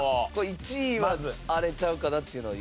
１位はあれちゃうかなっていうのは。